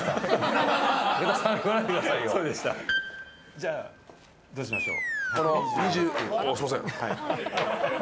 じゃあ、どうしましょう？